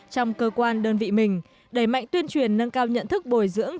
trong cơ quan đơn vị mình đẩy mạnh tuyên truyền nâng cao nhận thức bồi dưỡng